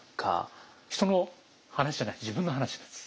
人の話じゃない自分の話なんです。